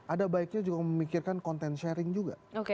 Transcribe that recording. ada baiknya juga memikirkan konten sharing juga